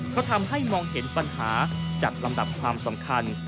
ก็ทำให้มองเห็นปัญหาจากลำดับความสำคัญ